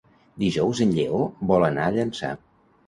Dijous en Lleó vol anar a Llançà.